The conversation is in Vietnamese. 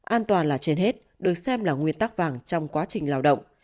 an toàn là trên hết được xem là nguyên tắc vàng trong quá trình lao động